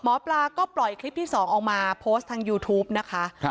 หมอปลาก็ปล่อยคลิปที่๒ออกมาโพสต์ทางยูทูปนะคะ